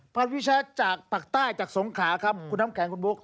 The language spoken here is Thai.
ปั่นวิวแชร์จากปากใต้จากสงขาครับคุณน้ำแกงคุณบุ๊ค